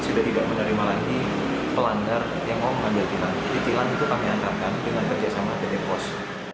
jadi tilang itu kami antarkan dengan kerja sama pt pos